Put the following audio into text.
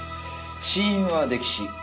死因は溺死。